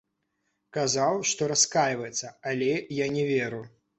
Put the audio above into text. Казаў, што раскайваецца, але я не веру.